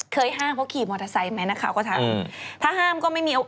เคยห้ามเขาขี่มอเตอร์ไซค์ไหมนะเขาก็ทำ